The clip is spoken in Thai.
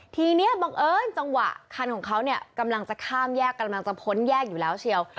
ทีนี้บังเอิญจังหวะคันของเขาเนี่ยกำลังจะข้ามแยกกำลังจะพ้นแยกอยู่แล้วเชียว